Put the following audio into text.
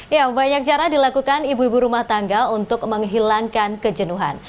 ya banyak cara dilakukan ibu ibu rumah tangga untuk menghilangkan kejenuhan